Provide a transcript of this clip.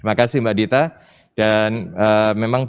terima kasih mbak dita dan memang